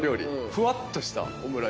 ふわっとしたオムライスを。